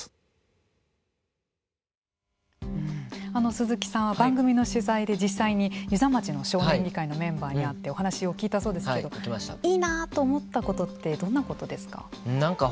鈴木さんは番組の取材で実際に遊佐町の少年会議のメンバーに会ってお話しを聞いたそうですけどいいなと思ったことってどんなことですか。